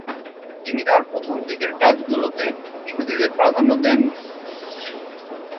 তিনি তার প্রথম দিকের কাজগুলোতে ইহুদিদের প্রাধান্য দেননি।